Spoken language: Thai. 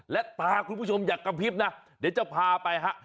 และตาคุณผู้ชมอย่ากระพริบนะเดี๋ยวจะพาไปฮะ